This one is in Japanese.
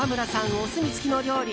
お墨付きの料理